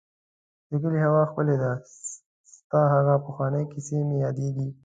د کلي هوا ښکلې ده ، ستا هغه پخوانی کيسې مې ياديږي.